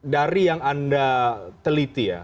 dari yang anda teliti ya